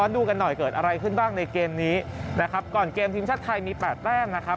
ดูกันหน่อยเกิดอะไรขึ้นบ้างในเกมนี้นะครับก่อนเกมทีมชาติไทยมี๘แต้มนะครับ